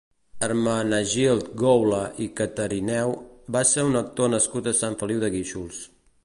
Hermenegild Goula i Catarineu va ser un actor nascut a Sant Feliu de Guíxols.